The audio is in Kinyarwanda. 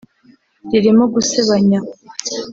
ririmo gusebanya